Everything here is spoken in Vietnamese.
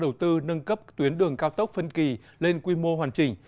đảng đã đầu tư nâng cấp tuyến đường cao tốc phân kỳ lên quy mô hoàn chỉnh